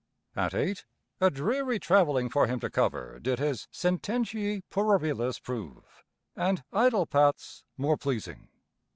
At eight, a dreary traveling for him to cover did his "Sententiae Pueriles" prove, and idle paths more pleasing.